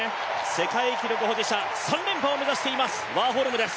世界記録保持者３連覇を目指しています、ワーホルムです。